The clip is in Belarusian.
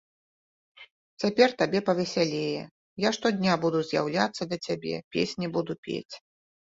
Цяпер табе павесялее, я штодня буду з'яўляцца да цябе, песні буду пець.